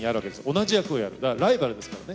同じ役をやるから、ライバルですからね。